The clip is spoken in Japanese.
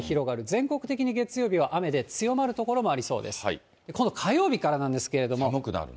全国的に月曜日は雨で、強まる所もありそうです。